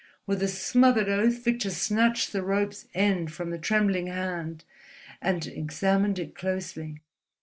With a smothered oath Victor snatched the rope's end from the trembling hand and examined it closely.